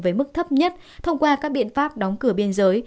với mức thấp nhất thông qua các biện pháp đóng cửa biên giới